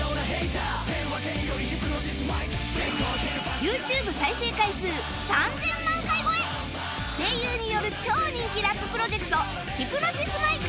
ＹｏｕＴｕｂｅ 再生回数３０００万回超え声優による超人気ラッププロジェクト『ヒプノシスマイク』